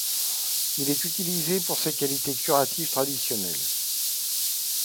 Il est utilisé pour ses qualités curatives traditionnelles.